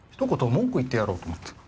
文句言ってやろうと思って。